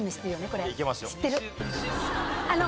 これよう知ってる。